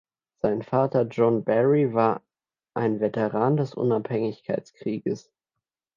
Sein Vater John Barry war ein Veteran des Unabhängigkeitskrieges.